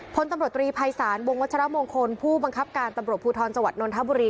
พลตำรวจตรีภัยศาลวงวัชรมงคลผู้บังคับการตำรวจภูทรจังหวัดนนทบุรี